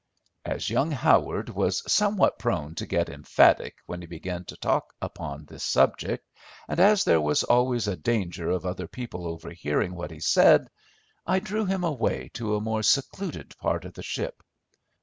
As young Howard was somewhat prone to get emphatic when he began to talk upon this subject, and as there was always a danger of other people overhearing what he said, I drew him away to a more secluded part of the ship.